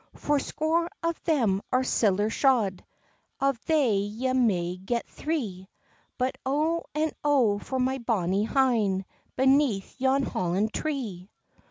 "Fourscore of them are siller shod, Of thae ye may get three;" "But O and O for my bonny hyn, Beneath yon hollin tree!"